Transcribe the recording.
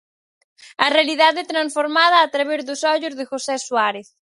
A realidade transformada a través dos ollos de José Suárez.